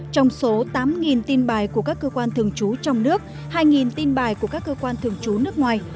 trong số tám tin bài của các cơ quan thường trú trong nước hai tin bài của các cơ quan thường trú nước ngoài